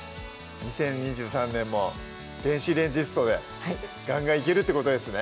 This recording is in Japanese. ２０２３年も電子レンジストでガンガンいけるってことですね